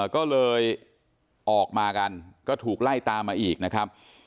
ก็เลยออกมากันก็ถูกไล่ตามมาอีกนะครับ